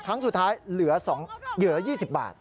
ครั้งสุดท้ายเหลือ๒๐บาท